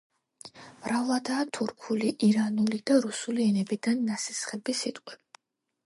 მრავლადაა თურქული, ირანული და რუსული ენებიდან ნასესხები სიტყვები.